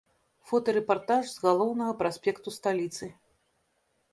Фотарэпартаж з галоўнага праспекту сталіцы.